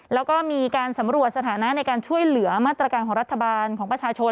แล้วก็มีการสำรวจสถานะในการช่วยเหลือมาตรการของรัฐบาลของประชาชน